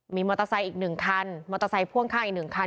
มีมอเตอร์ไซค์อีก๑คันมอเตอร์ไซค์พ่วงข้างอีก๑คัน